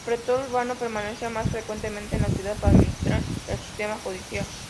El pretor urbano permanecía más frecuentemente en la ciudad para administrar el sistema judicial.